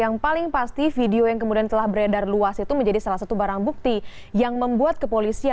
ya betul yang paling pasti sebagian video yang kemudian telah beredar luas menjadi salah satu bukti yang membuat kepolisian